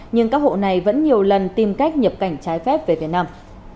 nhưng các hộ này vẫn nhiều lần tìm cách nhập cảnh trái phép về việt nam